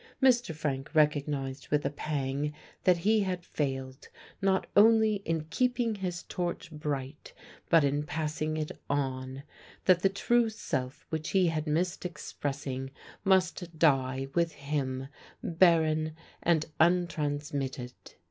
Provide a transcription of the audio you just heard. Mr. Frank recognised with a pang that he had failed not only in keeping his torch bright but in passing it on; that the true self which he had missed expressing must die with him barren and untransmitted.